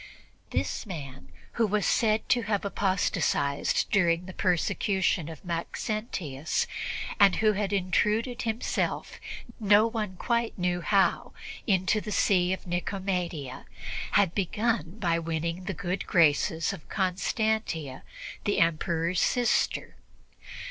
This man, who was said to have apostatized during the persecution of Maxentius and who had intruded himself, no one quite knew how, into the See of Nicomedia, had begun by winning the good graces of Constantia, the Emperor's sister.